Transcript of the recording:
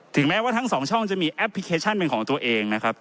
แม้ว่าทั้งสองช่องจะมีแอปพลิเคชันเป็นของตัวเองนะครับ